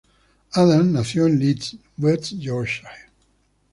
Adams nació en Leeds, West Yorkshire.